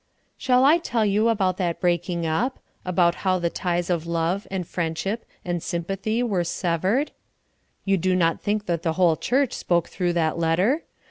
Shall I tell you about that breaking up? about how the ties of love, and friendship, and sympathy were severed? You do not think that the whole church spoke through that letter?